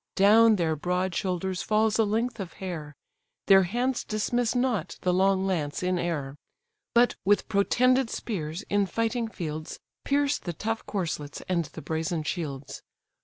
Down their broad shoulders falls a length of hair; Their hands dismiss not the long lance in air; But with protended spears in fighting fields Pierce the tough corslets and the brazen shields.